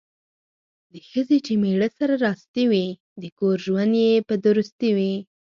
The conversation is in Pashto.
د ښځې چې میړه سره راستي وي ،د کور ژوند یې په درستي وي.